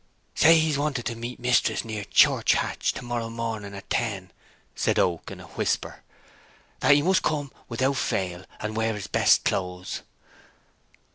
"Say he's wanted to meet mistress near church hatch to morrow morning at ten," said Oak, in a whisper. "That he must come without fail, and wear his best clothes."